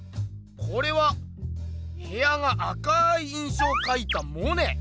これは部屋が赤い印象をかいたモネ！